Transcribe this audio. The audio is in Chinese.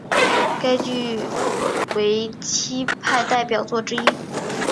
该剧为戚派代表作之一。